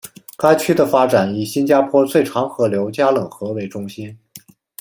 该区的发展以新加坡最长河流加冷河为中心。